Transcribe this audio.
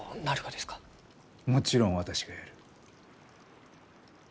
もちろん私がやる。